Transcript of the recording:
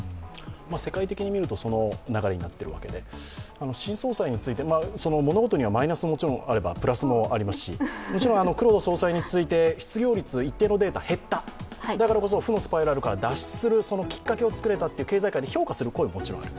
世界的に見るとその流れになっているわけで、新総裁になる中で、ものごとにはマイナスもあればプラスもありますし、黒田総裁について失業率、一定のデータ減った、だからこそ負のスパイラルから脱出したと経済界で評価する声はもちろんある。